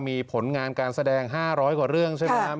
มีผลงานการแสดง๕๐๐กว่าเรื่องใช่ไหมครับ